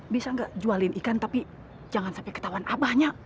bisa gak jualin ikan tapi jangan sampai ketahuan abah nya